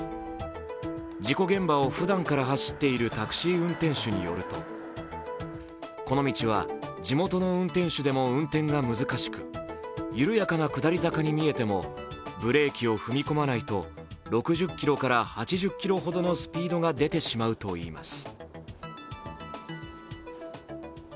事故現場をふだんから走っているタクシー運転手によると、この道は地元の運転手でも運転が難しく緩やかな下り坂に見えてもブレーキを踏み込まないと６０キロから８０キロほどのスピードが出てしまうといいます。